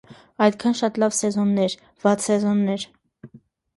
Այդքան շատ լավ սեզոններ, վատ սեզոններ։